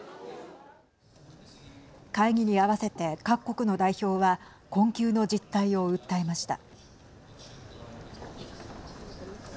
会議に合わせて各国の代表は困窮の実態を訴えました。